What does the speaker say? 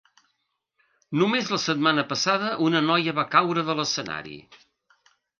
Només la setmana passada una noia va caure de l'escenari.